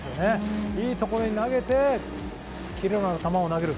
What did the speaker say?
いいところに投げてキレのあるボールを投げる。